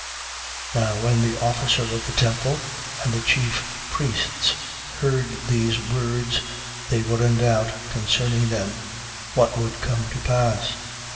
5:24. Now when the officer of the temple and the chief priests heard these words, they were in doubt concerning them, what would come to pass.